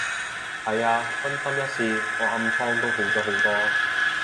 係啊，真心一試，我暗瘡都好咗好多